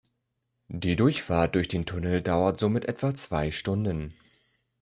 Die Durchfahrt durch den Tunnel dauert somit etwa zwei Stunden.